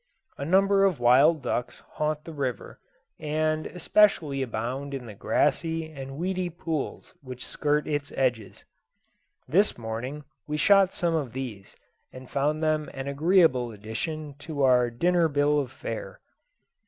A number of wild ducks haunt the, river, and especially abound in the grassy and weedy pools which skirt its edges. This morning we shot some of these, and found them an agreeable addition to our dinner bill of fare.